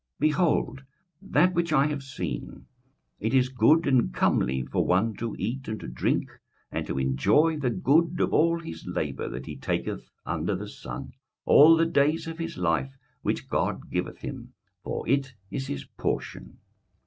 21:005:018 Behold that which I have seen: it is good and comely for one to eat and to drink, and to enjoy the good of all his labour that he taketh under the sun all the days of his life, which God giveth him: for it is his portion.